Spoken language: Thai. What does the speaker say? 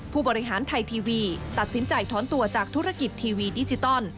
ผู้บริหารไทยทีวีตัดสินใจถอนตัวจากธุรกิจทีวีดิจิตอล